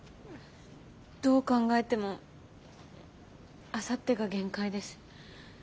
どう考えてもあさってが限界です。